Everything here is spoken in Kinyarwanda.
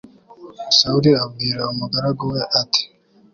sawuli abwira umugaragu we, ati